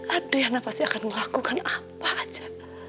adriana pasti akan melakukan apa aja